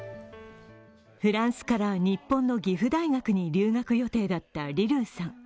フランスから日本の岐阜大学に留学予定だったリルーさん。